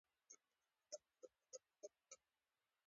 لومړی دې زده کوونکي متن په چوپتیا سره ولولي.